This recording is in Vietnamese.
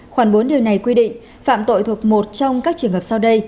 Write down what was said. khoảng bốn điều này quy định phạm tội thuộc một trong các trường hợp sau đây